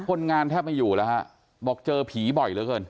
คนงานแทบไม่อยู่แล้วฮะบอกเจอผีบ่อยเหลือเกิน